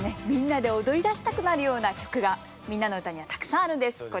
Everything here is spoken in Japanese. みんなで踊りだしたくなるような曲が「みんなのうた」にはたくさんあるんです。